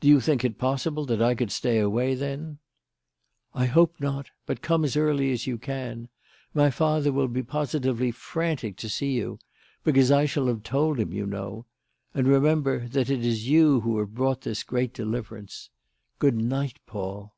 "Do you think it possible that I could stay away, then?" "I hope not. But come as early as you can. My father will be positively frantic to see you; because I shall have told him, you know. And, remember, that it is you who have brought us this great deliverance. Good night, Paul."